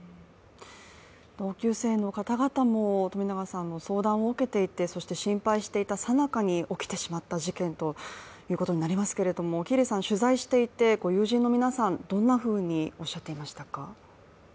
同級生の方々も冨永さんの相談を受けていて、そして心配していたさなかに起きてしまった事件ということになりますけど喜入さん、取材していて友人の皆さん、どんなふうにおっしゃっていましたか？